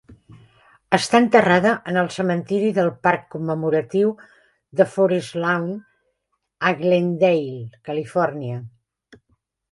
Està enterrada en el cementiri del parc commemoratiu de Forest Lawn a Glendale, Califòrnia.